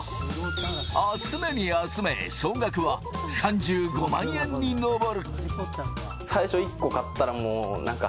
集めに集め、総額は３５万円に上る。